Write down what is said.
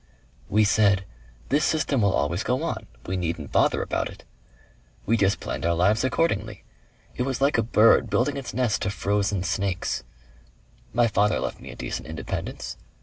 "We said: 'This system will always go on. We needn't bother about it.' We just planned our lives accordingly. It was like a bird building its nest of frozen snakes. My father left me a decent independence.